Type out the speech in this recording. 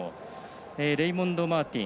レイモンド・マーティン。